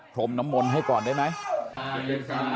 พรมน้ำมนต์ให้ก่อนได้ไหม